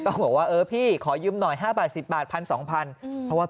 ต้องบอกว่าเออพี่ขอยืมหน่อย๕บาท๑๐บาทพัน๒พันเพราะว่า